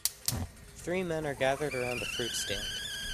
Three men are gathered around a fruit stand.